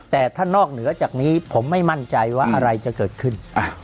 แต่ถ้านอกเหนือจากนี้ผมไม่มั่นใจว่าอะไรจะเกิดขึ้น